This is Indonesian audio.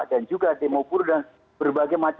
dan juga demo purga berbagai